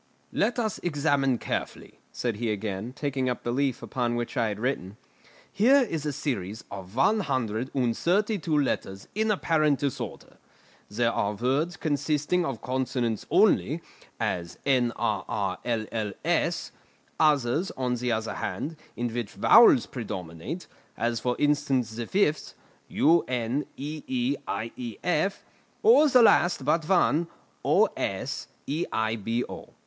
"Let us examine carefully," said he again, taking up the leaf upon which I had written. "Here is a series of one hundred and thirty two letters in apparent disorder. There are words consisting of consonants only, as nrrlls; others, on the other hand, in which vowels predominate, as for instance the fifth, uneeief, or the last but one, oseibo.